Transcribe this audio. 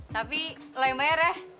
tapi lo yang mereh